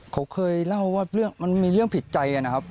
เขาเคยเล่าว่ามันมีเรื่องผิดใจนะครับ